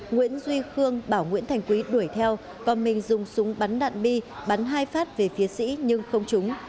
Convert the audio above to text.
nguyễn duy khương bảo nguyễn thành quý đuổi theo còn mình dùng súng bắn đạn bi bắn hai phát về phía sĩ nhưng không trúng